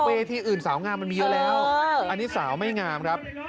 เวทีอื่นสาวงามมันมีเยอะแล้วอันนี้สาวไม่งามครับ